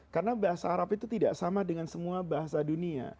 karena bahasa arab itu tidak sama dengan semua bahasa dunia